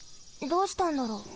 どうしたんだろう。